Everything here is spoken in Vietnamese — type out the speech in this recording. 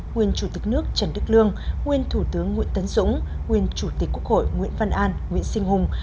nguyên chủ tịch nước trần đức lương nguyên thủ tướng nguyễn tấn dũng nguyên chủ tịch quốc hội nguyễn văn an nguyễn sinh hùng